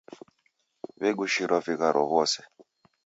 W'egushirwa vigharo w'ose.